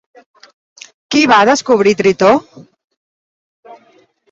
Qui va descobrir Tritó?